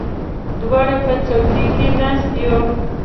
دواړه په څوکۍ کې ناست یو.